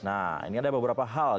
nah ini ada beberapa hal